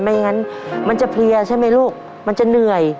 อย่างนั้นมันจะเพลียใช่ไหมลูกมันจะเหนื่อย